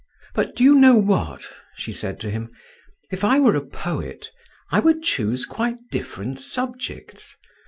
"But do you know what?" she said to him. "If I were a poet, I would choose quite different subjects.